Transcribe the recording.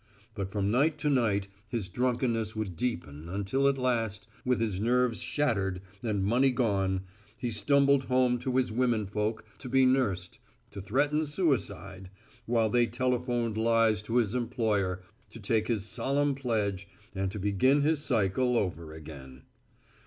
But from night to night his drunkenness would deepen until at last, with his nerves shattered and money gone, he stumbled home to his women folk to be nursed, to threaten suicide, while they telephoned lies to his employer, to take his solemn pledge, and to begin his cycle over again.